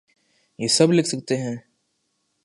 یہ سب لکھ سکتے ہیں؟